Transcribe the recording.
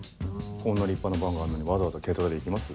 こんな立派なバンがあるのにわざわざ軽トラで行きます？